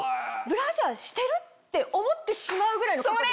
ブラジャーしてる？って思ってしまうぐらいの。